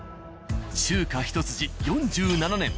中華ひと筋４７年。